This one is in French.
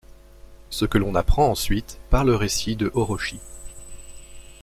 Ce que l'on apprend ensuite par le récit de Horoshi.